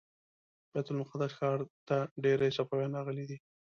بیت المقدس ښار ته ډیری صوفیان راغلي دي.